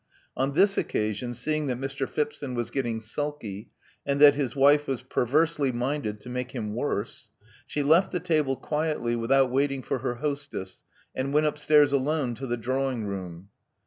On this occasion, seeing that Mr. Phipson was getting sulky, and that his wife was perversely miaded to make him worse, she left the table quietly vsthout waiting for her hostess, and went upstairs alon^to the drawing room.